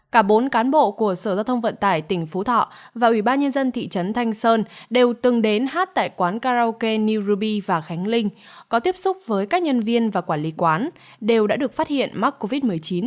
cả bốn cán bộ của sở giao thông vận tải tỉnh phú thọ và ủy ban nhân dân thị trấn thanh sơn đều từng đến hát tại quán karaoke new ruby và khánh linh có tiếp xúc với các nhân viên và quản lý quán đều đã được phát hiện mắc covid một mươi chín